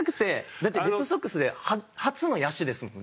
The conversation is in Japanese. だってレッドソックスで初の野手ですもんね？